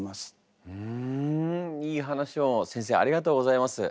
ふんいい話を先生ありがとうございます。